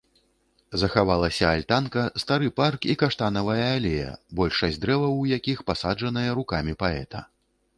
Захаваліся альтанка, стары парк і каштанавая алея, большасць дрэваў у якіх пасаджаныя рукамі паэта.